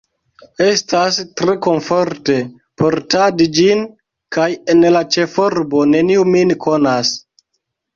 Estas tre komforte portadi ĝin, kaj en la ĉefurbo neniu min konas.